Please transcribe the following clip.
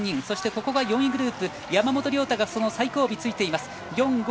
そして４位グループ、山本涼太がその最後尾についています。